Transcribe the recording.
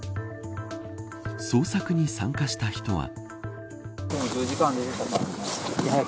捜索に参加した人は。